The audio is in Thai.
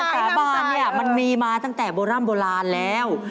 จะอธิบายอะไรสาบานนี่มันมีมาตั้งเต่าโบราณแล้ว